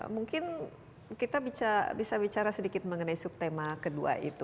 mungkin kita bisa bicara sedikit mengenai subtema kedua itu